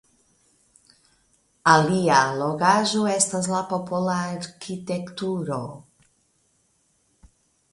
Alia allogaĵo estas la popola arkitekturo.